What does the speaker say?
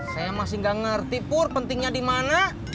saya masih gak ngerti pur pentingnya di mana